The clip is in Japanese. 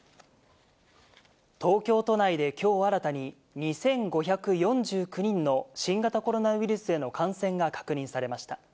東京都内できょう新たに２５４９人の新型コロナウイルスへの感染が確認されました。